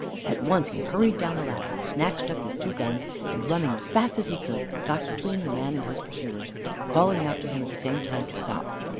At once he hurried down the ladder, snatched up his two guns, and running as fast as he could, got between the man and his pursuers, calling out to him at the same time to stop.